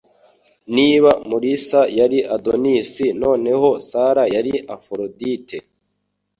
Niba Mulisa yari Adonis, noneho Sara yari Aforodite.